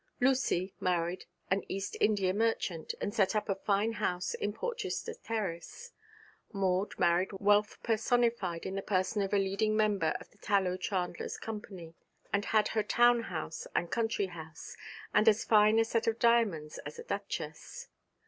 Lucy married an East India merchant, and set up a fine house in Porchester Terrace. Maud married wealth personified in the person of a leading member of the Tallow Chandlers' Company, and had her town house and country house, and as fine a set of diamonds as a duchess.